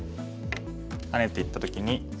ハネていった時に。